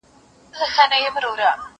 نوي چاري، په زړه لاري.